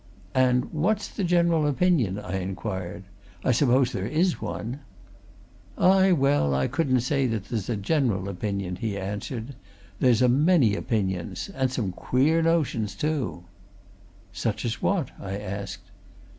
"And what's the general opinion?" I inquired. "I suppose there is one?" "Aye, well, I couldn't say that there's a general opinion," he answered. "There's a many opinions. And some queer notions, too!" "Such as what?" I asked.